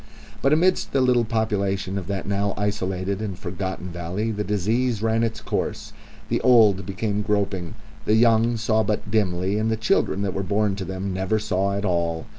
And amidst the little population of that now isolated and forgotten valley the disease ran its course. The old became groping and purblind, the young saw but dimly, and the children that were born to them saw never at all.